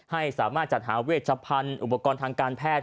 ให้สามารถจัดหาเวชพันธุ์อุปกรณ์ทางการแพทย์